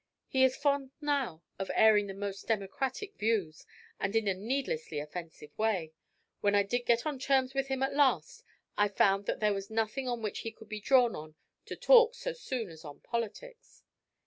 He is fond now of airing the most democratic views, and in a needlessly offensive way. When I did get on terms with him at last, I found that there was nothing on which he could be drawn on to talk so soon as on politics.